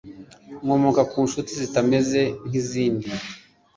nkomoka ku nshuti zitameze nkizindi